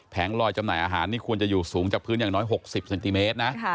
ลอยจำหน่ายอาหารนี่ควรจะอยู่สูงจากพื้นอย่างน้อย๖๐เซนติเมตรนะ